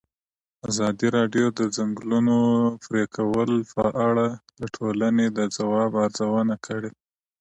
ازادي راډیو د د ځنګلونو پرېکول په اړه د ټولنې د ځواب ارزونه کړې.